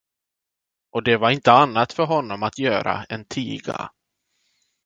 Och det var inte annat för honom att göra än tiga.